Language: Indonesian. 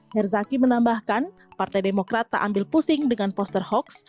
herzaki menambahkan partai demokrat tak ambil pusing dengan poster hoaks